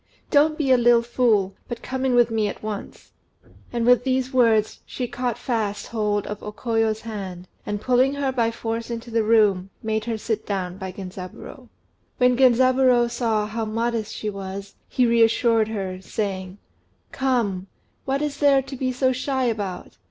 Don't be a little fool, but come in with me at once." And with these words she caught fast hold of O Koyo's hand, and, pulling her by force into the room, made her sit down by Genzaburô. When Genzaburô saw how modest she was, he reassured her, saying "Come, what is there to be so shy about?